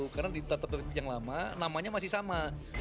karena di tata tertib yang lama namanya masih sama